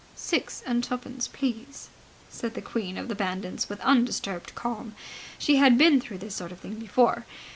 "Six and twopence, please!" said the queen of the bandits with undisturbed calm. She had been through this sort of thing before.